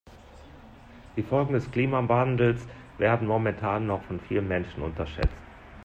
Die Folgen des Klimawandels werden momentan noch von vielen Menschen unterschätzt.